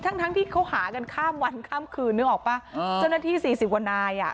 ทั้งทั้งที่เขาหากันข้ามวันข้ามคืนนึกออกป่ะเจ้าหน้าที่สี่สิบกว่านายอ่ะ